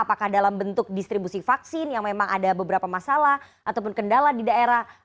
apakah dalam bentuk distribusi vaksin yang memang ada beberapa masalah ataupun kendala di daerah